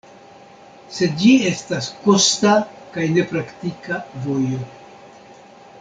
Sed ĝi estas kosta kaj ne praktika vojo.